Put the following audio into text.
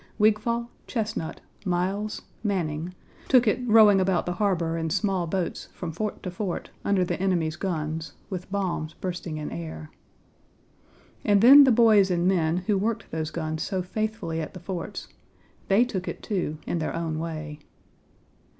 Wigfall, Chesnut, Miles, Manning, took it rowing about the harbor in small boats from fort to fort under the enemy's guns, with bombs bursting in air. And then the boys and men who worked those guns so faithfully at the forts they took it, too, in their own way.